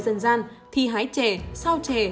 dân gian thi hái trè sao trè